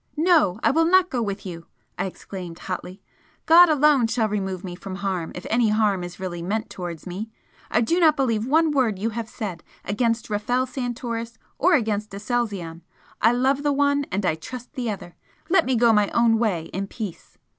"No, I will not go with you!" I exclaimed, hotly "God alone shall remove me from harm if any harm is really meant towards me. I do not believe one word you have said against Rafel Santoris or against Aselzion I love the one, and I trust the other! let me go my own way in peace!"